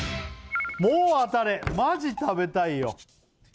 もう当たれマジ食べたいよ